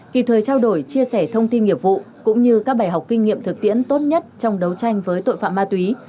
kịp thời trao đổi chia sẻ thông tin nghiệp vụ cũng như các bài học kinh nghiệm thực tiễn tốt nhất trong đấu tranh với tội phạm ma túy